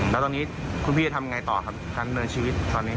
แล้วตอนนี้คุณพี่จะทำไงต่อครับการดำเนินชีวิตตอนนี้